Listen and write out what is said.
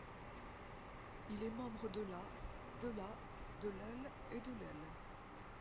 Il est membre de la ', de la ', de l', et de l'.